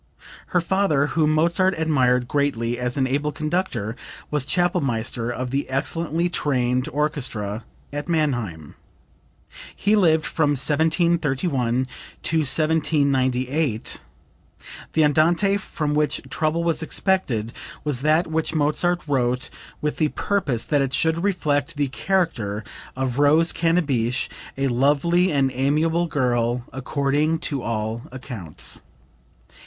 Her father, whom Mozart admired greatly as an able conductor, was Chapelmaster of the excellently trained orchestra at Mannheim. He lived from 1731 to 1798. [The Andante from which trouble was expected was that which Mozart wrote with the purpose that it should reflect the character of Rose Cannabich, a lovely and amiable girl, according to all accounts.